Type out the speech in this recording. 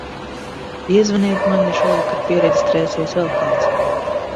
Piezvaniet man, ja šovakar piereģistrēsies vēl kāds.